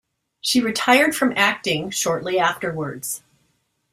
She retired from acting shortly afterwards.